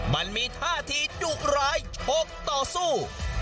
มันมีท่าทีดุร้ายชกต่อสู้